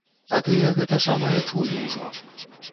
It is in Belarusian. А тыя гэта самае чулі ўжо.